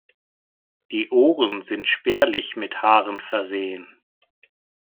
Die Ohren sind spärlich mit Haaren versehen.